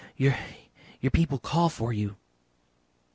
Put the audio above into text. "Your people call for you."